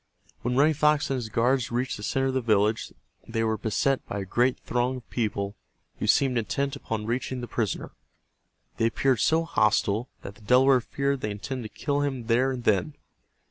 When Running Fox and his guards reached the center of the village they were beset by a great throng of people who seemed intent upon reaching the prisoner. They appeared so hostile that the Delaware feared they intended to kill him there and then.